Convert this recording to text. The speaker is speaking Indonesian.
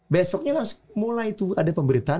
besoknya harus mulai tuh ada pemberitaan